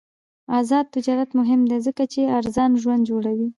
آزاد تجارت مهم دی ځکه چې ارزان ژوند جوړوي.